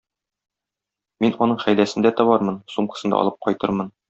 Мин аның хәйләсен дә табармын, сумкасын да алып кайтырмын.